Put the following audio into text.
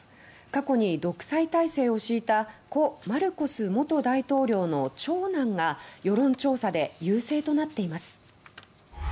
過去に独裁体制を敷いた故・マルコス元大統領の長男が世論調査で優勢となっています。